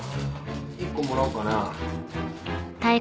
１個もらおうかな。